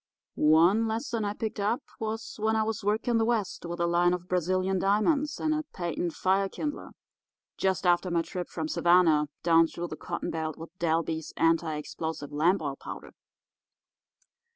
One lesson I picked up was when I was working the West with a line of Brazilian diamonds and a patent fire kindler just after my trip from Savannah down through the cotton belt with Dalby's Anti explosive Lamp Oil Powder.